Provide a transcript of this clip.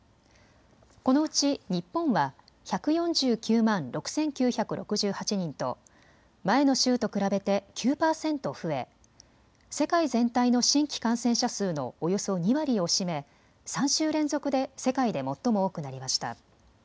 このうち日本は１４９万６９６８人と前の週と比べて９％増え世界全体の新規感染者数のおよそ２割を占め３週連続で世界で最も多くなりました。